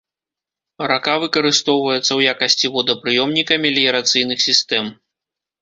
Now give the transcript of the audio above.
Рака выкарыстоўваецца ў якасці водапрыёмніка меліярацыйных сістэм.